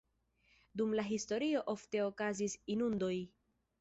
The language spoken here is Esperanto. Dum la historio ofte okazis inundoj.